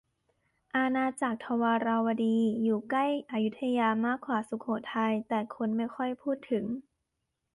อาณาจักรทวาราวดี อยู่ใกล้อยุธยามากกว่าสุโขทัย แต่คนไม่ค่อยพูดถึง